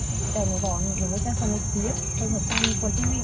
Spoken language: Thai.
แต่หนูบอกหนูไม่ใช่คนในคลิป